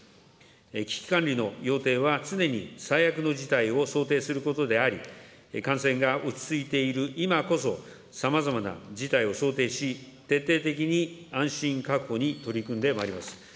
危機管理の要諦は常に最悪の事態を想定することであり、感染が落ち着いている今こそさまざまな事態を想定し、徹底的に安心確保に取り組んでまいります。